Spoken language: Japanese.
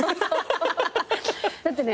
だってね